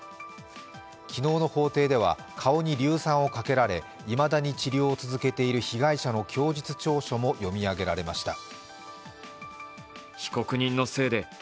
昨日の法廷では、顔に硫酸をかけられいまだに治療を続けている被害者の供述調書も読み上げられました。